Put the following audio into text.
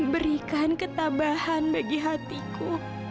berikan ketabahan bagi hatiku